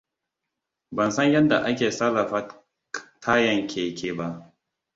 Ban san yadda ake sarrafa tayan keke ba.